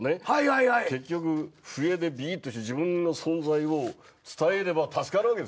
結局笛でピーッとして自分の存在を伝えれば助かるわけですよ。